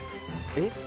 えっ？